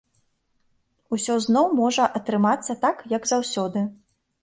Усё зноў можа атрымацца так, як заўсёды.